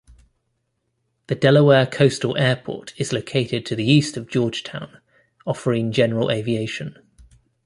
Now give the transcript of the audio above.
The Delaware Coastal Airport is located to the east of Georgetown, offering general aviation.